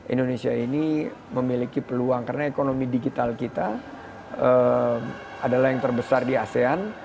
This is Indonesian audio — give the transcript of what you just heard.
indonesia ini memiliki peluang karena ekonomi digital kita adalah yang terbesar di asean